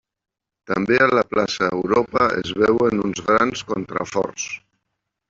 També a la plaça Europa es veuen uns grans contraforts.